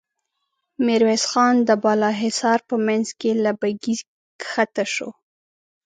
ميرويس خان د بالا حصار په مينځ کې له بګۍ کښته شو.